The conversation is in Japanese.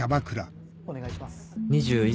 お願いします